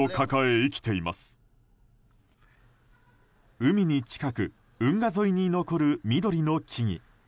海に近く運河沿いに残る緑の木々。